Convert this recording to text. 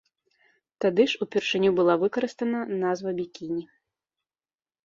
Тады ж упершыню была выкарыстана назва бікіні.